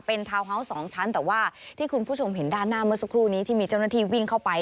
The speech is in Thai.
เป็นทาวน์ฮาวส์๒ชั้นแต่ว่าที่คุณผู้ชมเห็นด้านหน้าเมื่อสักครู่นี้ที่มีเจ้าหน้าที่วิ่งเข้าไป